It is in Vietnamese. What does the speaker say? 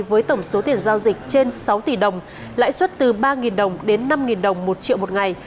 với tổng số tiền giao dịch trên sáu tỷ đồng lãi suất từ ba đồng đến năm đồng một triệu một ngày